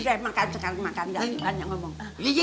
gak ada masakan